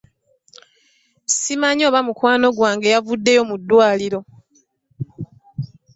Simanyi oba mukwano gwange yavuddeyo mu ddwaliro.